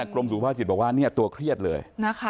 กรมสุขภาพจิตบอกว่าตัวเครียดเลย